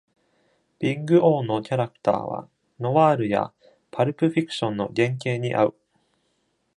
「ビッグ O」のキャラクターは、「ノワール」やパルプ・フィクションの原型に合う。